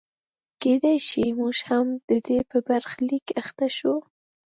کېدای شي موږ هم د ده په برخلیک اخته شو.